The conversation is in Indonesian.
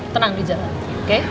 tenang di jalan oke